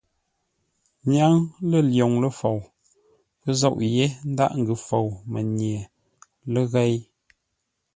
Ńnyáŋ lə̂ lwoŋ ləfou, pə́ zôʼ yé ńdaghʼ ńgʉ́ fou mənye ləghěi.